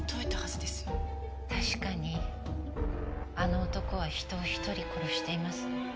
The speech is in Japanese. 確かにあの男は人を１人殺しています。